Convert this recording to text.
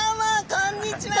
こんにちは。